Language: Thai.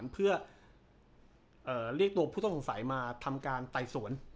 เพื่อเรียกตัวผู้ต้องสงสัยมาทำการไต่สวน